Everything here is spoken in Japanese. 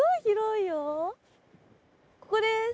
ここです